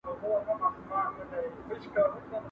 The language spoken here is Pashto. په تنهائئ کښې وي بې درہ، بې ديارہ سړی.